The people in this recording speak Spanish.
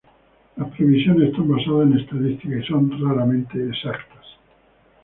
Las previsiones están basadas en estadísticas y son raramente exactas.